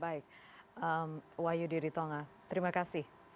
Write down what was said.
baik wahyu diritonga terima kasih